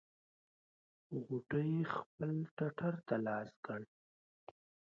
غوټۍ خپل ټټر ته لاس کړ.